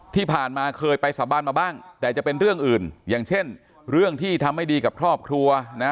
ที่ผ่านมาเคยไปสาบานมาบ้างแต่จะเป็นเรื่องอื่นอย่างเช่นเรื่องที่ทำไม่ดีกับครอบครัวนะ